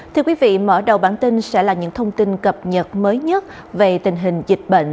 thưa quý vị mở đầu bản tin sẽ là những thông tin cập nhật mới nhất về tình hình dịch bệnh